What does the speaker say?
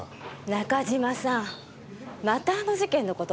中島さんまたあの事件の事ですか？